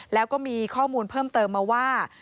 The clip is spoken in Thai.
แล้วก็มีข้อมูลเพิ่มเติมมาว่า